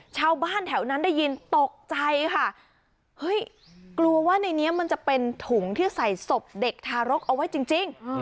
ชาวบ้านแถวนั้นได้ยินตกใจค่ะเฮ้ยกลัวว่าในนี้มันจะเป็นถุงที่ใส่ศพเด็กทารกเอาไว้จริง